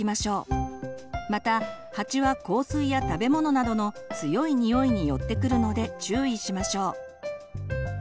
また蜂は香水や食べ物などの強い匂いに寄ってくるので注意しましょう。